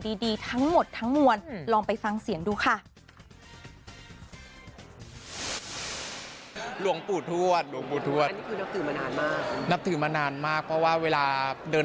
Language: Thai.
รับถือมานานมากเพราะว่าเวลาเดินทางต่างจังหวัดแล้วเนี่ย